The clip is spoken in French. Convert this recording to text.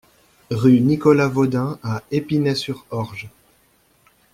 Rue Nicolas Vaudin à Épinay-sur-Orge